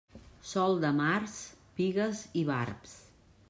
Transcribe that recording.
Sol de març, pigues i barbs.